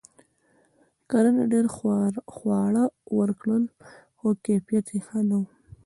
کرنې ډیر خواړه ورکړل؛ خو کیفیت یې ښه نه و.